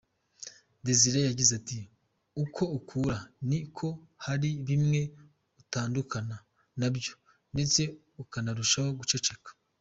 Desire yagize ati “Uko ukura, ni ko hari bimwe utandukana nabyo ndetse ukanarushaho guceceka.